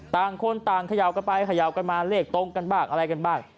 ต่างคนต่างเขย่ากันไปเขย่ากันมาเลขตรงกันบ้างอะไรกันบ้าง